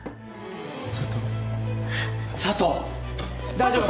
大丈夫か？